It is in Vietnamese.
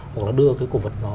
hoặc là đưa cái cổ vật đó